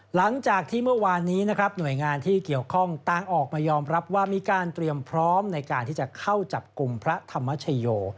หลังจากที่เมื่อวานนี้นะครับหน่วยงานที่เกี่ยวข้องต่างออกมายอมรับว่ามีการเตรียมพร้อมในการที่จะเข้าจับกลุ่มพระธรรมชโย